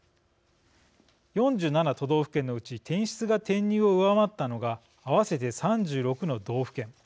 ４７都道府県のうち転出が転入を上回ったのが合わせて３６の道府県。